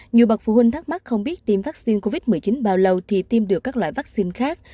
nhiều bậc phụ huynh thắc mắc không biết tiêm vaccine covid một mươi chín bao lâu thì tiêm được các loại vaccine khác